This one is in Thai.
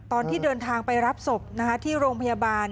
ตอนที่เดินทางไปรับศพที่โรงพยาบาล